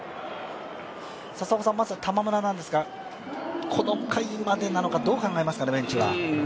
まずは玉村ですが、この回までなのか、どう考えますかね、ベンチは。